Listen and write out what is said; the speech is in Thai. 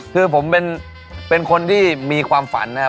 คือผมเป็นคนที่มีความฝันนะครับ